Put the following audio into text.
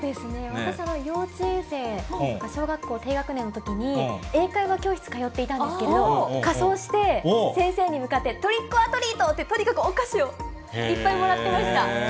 私、幼稚園生、小学校低学年のときに、英会話教室通っていたんですけど、仮装して、先生に向かってトリック・オア・トリートって、とにかくお菓子をいっぱいもらってまし